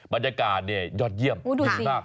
บรรยากาศยอดเยี่ยมดีมาก